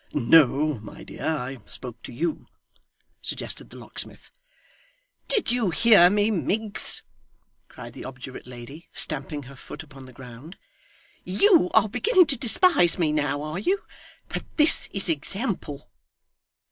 'No, my dear, I spoke to you,' suggested the locksmith. 'Did you hear me, Miggs?' cried the obdurate lady, stamping her foot upon the ground. 'YOU are beginning to despise me now, are you? But this is example!